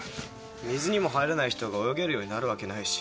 水にも入れない人が泳げるようになるわけないし。